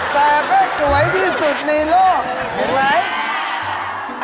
แต่ก็สวยที่สุดในโลกเห็นไหม